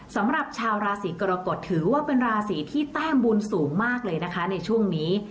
สำหรับชาวราศีกรกฎถือว่าเป็นราศีที่แต้มบุญสูงมากเลยนะคะในช่วงนี้